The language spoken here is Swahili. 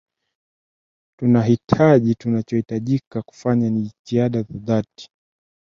tunahitaji tunachohitajika kufanya ni jitihada za dhati